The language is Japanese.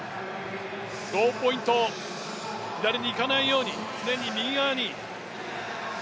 ローポイント、左にいかないように、常に右側に。